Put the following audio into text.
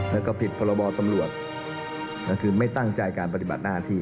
แล้วก็ผิดพรบตำรวจคือไม่ตั้งใจการปฏิบัติหน้าที่